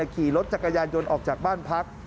ขี่รถจักรยานยนต์ออกจากบ้านพัก